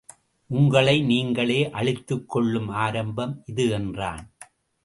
உங்களை நீங்களே அழித்துக் கொள்ளும் ஆரம்பம் இது என்றான்.